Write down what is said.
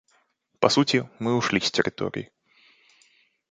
По сути, мы ушли с территории.